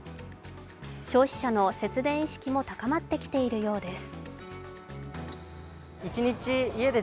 消費者の節電意識も高まってきているようです。